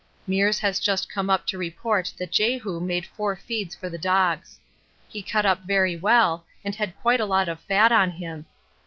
Meares has just come up to report that Jehu made four feeds for the dogs. He cut up very well and had quite a lot of fat on him.